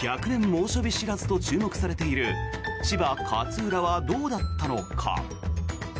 猛暑日知らずと注目されている千葉・勝浦はどうだったのか。